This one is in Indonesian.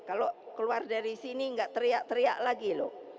kalau keluar dari sini nggak teriak teriak lagi loh